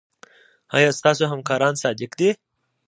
ایا ستاسو همکاران صادق دي؟